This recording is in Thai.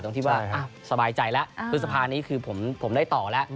ตรงที่ว่าสบายใจแล้วพฤษภานี้คือผมได้ต่อแล้ว